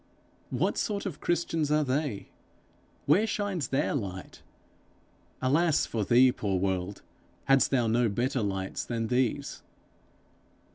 What sort of Christians are they? Where shines their light? Alas for thee, poor world, hadst thou no better lights than these!